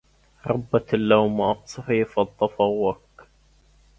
ربة اللوم أقصري فض فوك